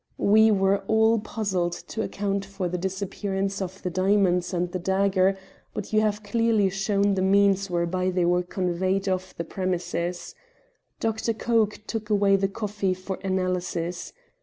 We were all puzzled to account for the disappearance of the diamonds and the dagger, but you have clearly shown the means whereby they were conveyed off the premises. Dr. Coke took away the coffee for analysis.